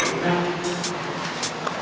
gue mau pergi ke rumah